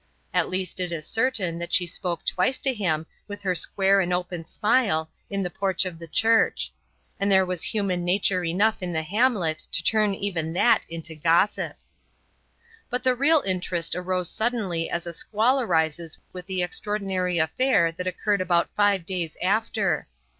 At least it is certain that she twice spoke to him with her square and open smile in the porch of the church; and there was human nature enough in the hamlet to turn even that into gossip. But the real interest arose suddenly as a squall arises with the extraordinary affair that occurred about five days after.